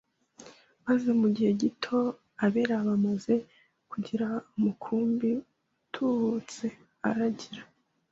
maze mu gihe gito Abeli aba amaze kugira umukumbi utubutse aragira